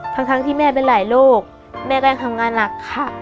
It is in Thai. แต่มีโดยทำผลหลายโรคแม่ก็ยังทำงานหนักไปค่ะ